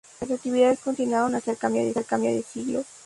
Las actividades continuaron hasta el cambio de siglo.